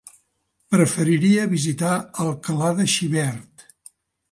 Preferiria visitar Alcalà de Xivert.